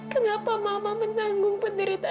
kenapa mama menanggung petunjuknya